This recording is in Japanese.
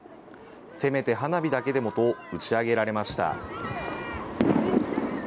せめて花火だけでもと打ち上げられました。